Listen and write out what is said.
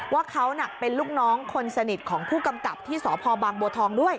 ว่าเขาเป็นลูกน้องคนสนิทของผู้กำกับที่สพบางบัวทองด้วย